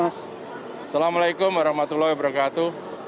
assalamualaikum warahmatullahi wabarakatuh